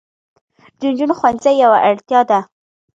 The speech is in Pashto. د نجونو ښوونځي یوه اړتیا ده.